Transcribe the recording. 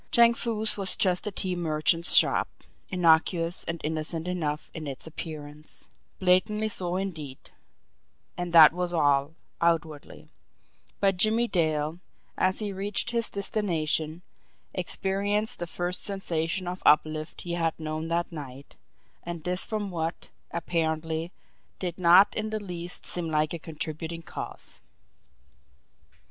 Chang Foo's was just a tea merchant's shop, innocuous and innocent enough in its appearance, blandly so indeed, and that was all outwardly; but Jimmie Dale, as he reached his destination, experienced the first sensation of uplift he had known that night, and this from what, apparently, did not in the least seem like a contributing cause.